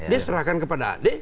dia serahkan kepada adik